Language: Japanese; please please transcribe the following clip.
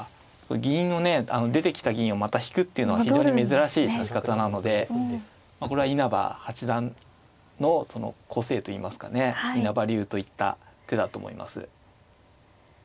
銀をね出てきた銀をまた引くっていうのは非常に珍しい指し方なのでこれは稲葉八段の個性といいますかね稲葉流といった手だと思います。